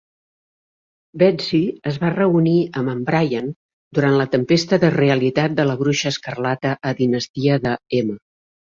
Betsy es va reunir amb en Brian durant la tempesta de realitat de la Bruixa Escarlata a "Dinastia de M".